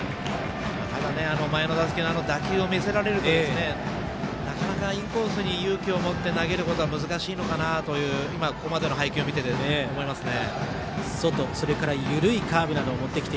前の打席の打球を見せられるとなかなかインコースに勇気を持って投げることは難しいのかなというここまでの配球を見ていて思いますね。